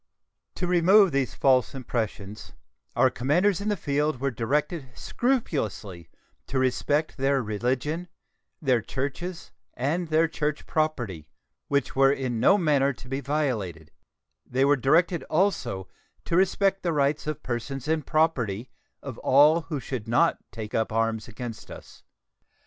To remove these false impressions, our commanders in the field were directed scrupulously to respect their religion, their churches, and their church property, which were in no manner to be violated; they were directed also to respect the rights of persons and property of all who should not take up arms against us.